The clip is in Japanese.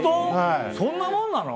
そんなもんなの？